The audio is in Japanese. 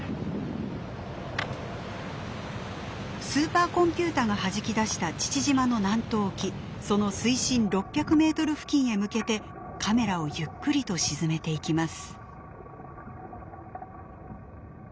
スーパーコンピューターがはじき出した父島の南東沖その水深６００メートル付近へ向けてカメラをゆっくりと沈めていきます。